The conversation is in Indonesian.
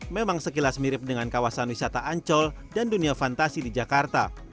memang sekilas mirip dengan kawasan wisata ancol dan dunia fantasi di jakarta